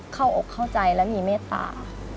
อกเข้าใจและมีเมตตา